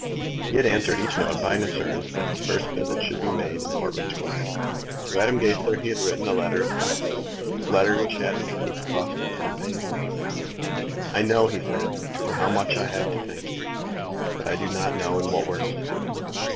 He had answered each note by an assurance that his first visit should be made in Portman Square. To Madame Goesler he had written a letter of thanks, a letter which had in truth cost him some pains. "I know," he said, "for how much I have to thank you, but I do not know in what words to do it.